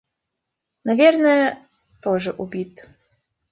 Наверное, тоже убит.